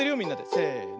せの。